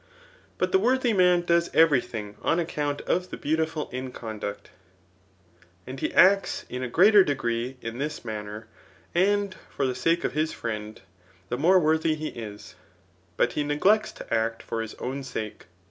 But the worthy man does every thing on account of the beautiful in conduct, and he acts in a greater degree in this manner, and for the sake of his friend, the more worthy he is ; but he neglects to act for his own sake.